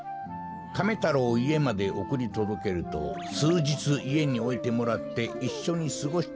カメ太郎をいえまでおくりとどけるとすうじついえにおいてもらっていっしょにすごしたんじゃ。